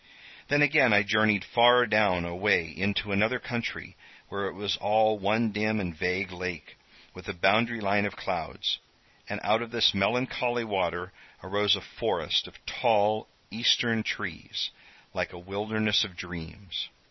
Then again I journeyed far down away into another country where it was all one dim and vague lake, with a boundary line of clouds. And out of this melancholy water arose a forest of tall eastern trees, like a wilderness of dreams.